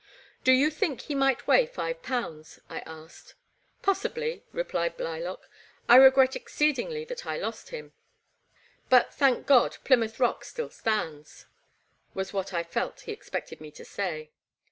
Do you think he might weigh five pounds ?" I asked. Possibly,*' replied Blylock; I regret exceed ingly that I lost him." But, thank God, Plymouth Rock still stands !'' was what I felt he expected me to say.